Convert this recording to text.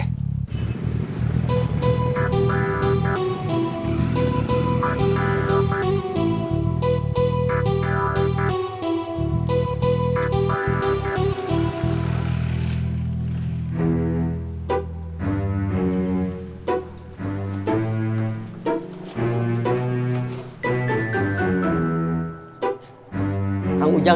kita capekan perubahan